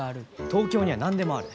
東京には何でもある。